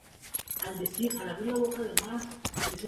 En algunos restaurantes se asa la carne junto con pimientos y cebollas.